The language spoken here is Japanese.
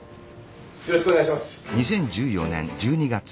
よろしくお願いします。